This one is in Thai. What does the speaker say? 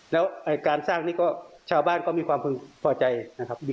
แล้วการสร้างนี่ก็ชาวบ้านก็มีความพึงพอใจนะครับ